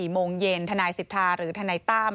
๔โมงเย็นธนาศิษฐาหรือธนายตั้ม